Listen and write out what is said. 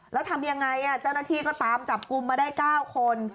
แล้วทำยังไงเจ้าหน้าที่ก็ตามจับกลุ่มมาได้๙คน